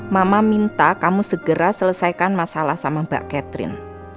mama minta kamu segera selesaikan masalah sama mbak catherine